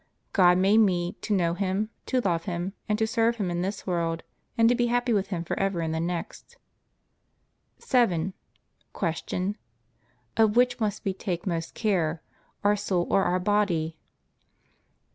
God made me to know Him, to love Him, and to serve Him in this world, and to be happy with Him forever in the next. 7. Q. Of which must we take more care, our soul or our body?